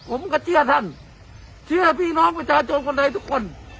ผมก็เชื่อท่านเชื่อพี่น้องประชาชนคนไทยทุกคน